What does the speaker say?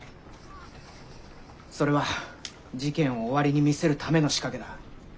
それは事件を終わりに見せるための仕掛けだ。